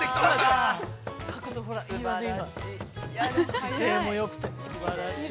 ◆姿勢もよくて、すばらしい。